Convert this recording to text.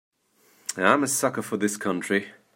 I'm a sucker for this country.